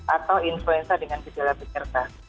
atau influenza dengan visualisir